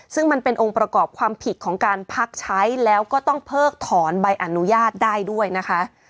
ซึ่งมันเป็นองค์ประกอบความผิดของการพักใช้แล้วก็ต้องเพิกถอนใบอนุญาตได้ด้วยนะคะ